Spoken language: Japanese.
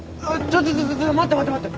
ちょちょ待って待って待って。